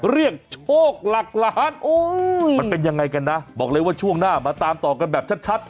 เรียกโชคหลักล้านมันเป็นยังไงกันนะบอกเลยว่าช่วงหน้ามาตามต่อกันแบบชัด